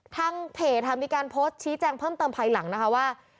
ทางเพจค่ะมีการโพสต์ชี้แจงเพิ่มเติมภายหลังนะคะว่า